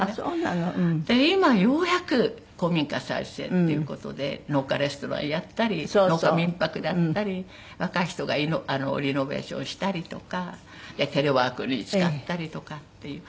今ようやく古民家再生っていう事で農家レストランやったり農家民泊だったり若い人がリノベーションしたりとかテレワークに使ったりとかっていう。